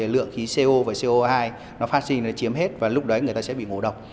lượng khí co và co hai nó phát sinh nó chiếm hết và lúc đấy người ta sẽ bị ngộ độc